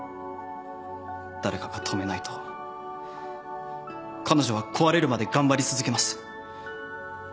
誰かが止めないと彼女は壊れるまで頑張り続けます。